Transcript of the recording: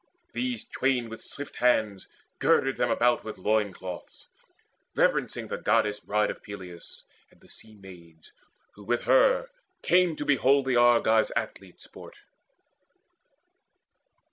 These twain with swift hands girded them about With loin cloths, reverencing the Goddess bride Of Peleus, and the Sea maids, who with her Came to behold the Argives' athlete sport.